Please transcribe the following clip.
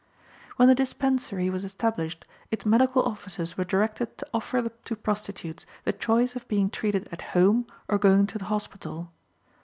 When the dispensary was established, its medical officers were directed to offer to prostitutes the choice of being treated at home or going to the hospital.